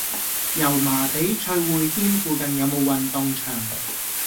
油麻地翠匯軒附近有無運動場？